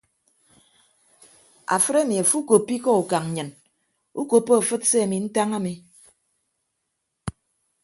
Afịt emi afo ukoppo ikọ ukañ nnyịn ukoppo afịt se ami ntañ ami.